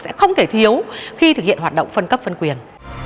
sẽ không thể thiếu khi thực hiện hoạt động phân cấp phân quyền